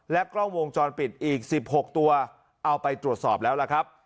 และกล้องวงช้อนปิดอีกสิบหกตัวเอาไปตรวจสอบแล้วล่ะครับ